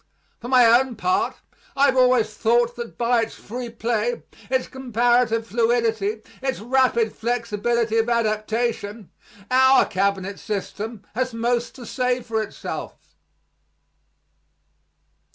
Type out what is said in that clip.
For my own part, I have always thought that by its free play, its comparative fluidity, its rapid flexibility of adaptation, our cabinet system has most to say for itself.